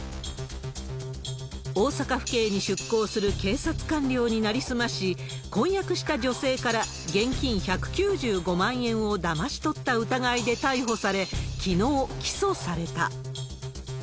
大阪府警に出向する警察官僚に成りすまし、婚約した女性から現金１９５万円をだまし取った疑いで逮捕され、きのう、起訴された。